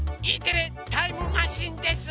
「Ｅテレタイムマシン」です。